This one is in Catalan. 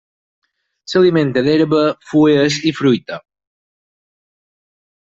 S'alimenta d'herba, fulles i fruita.